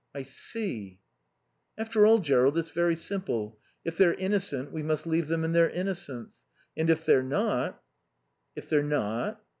"I see." "After all, Jerrold, it's very simple. If they're innocent we must leave them in their innocence. And if they're not " "If they're not?"